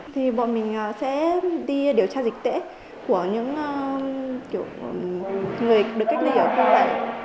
thì bọn mình sẽ đi điều tra dịch tễ của những người được cách ly ở khu vực